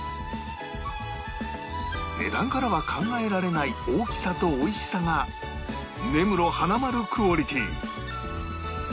値段からは考えられない大きさとおいしさが根室花まるクオリティー